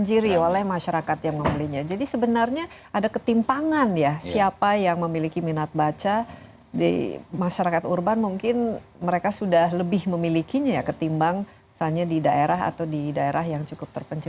dibanjiri oleh masyarakat yang membelinya jadi sebenarnya ada ketimpangan ya siapa yang memiliki minat baca di masyarakat urban mungkin mereka sudah lebih memilikinya ya ketimbang misalnya di daerah atau di daerah yang cukup terpencil